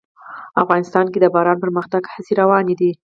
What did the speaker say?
افغانستان کې د باران د پرمختګ هڅې روانې دي.